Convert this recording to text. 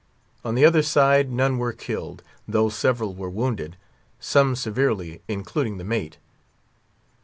On the other side, none were killed, though several were wounded; some severely, including the mate.